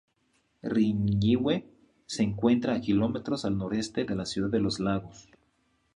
Riñihue se encuentra a kilómetros al noreste de la ciudad de Los Lagos.